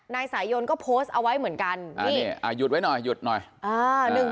นายสายยนก็โพสต์เอาไว้เหมือนกันนี่อ่าหยุดไว้หน่อยหยุดหน่อยอ่า